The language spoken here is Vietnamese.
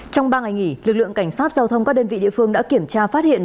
trong ba ngày nghỉ lực lượng cảnh sát giao thông các đơn vị địa phương đã kiểm tra phát hiện